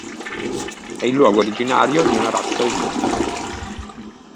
È il luogo originario di una razza ovina.